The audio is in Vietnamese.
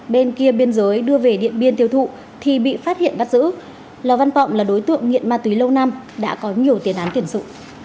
bên kia biên giới đưa về điện biên tiêu thụ thì bị phát hiện bắt giữ lò văn vọng là đối tượng nghiện ma túy lâu năm đã có nhiều tiền án tiền sự